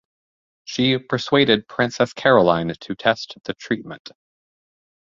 She persuaded Princess Caroline to test the treatment.